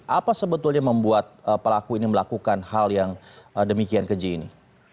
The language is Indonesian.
apa sebetulnya membuat pelaku ini melakukan hal yang demikian keji ini